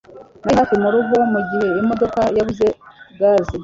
Nari hafi murugo mugihe imodoka yabuze gaze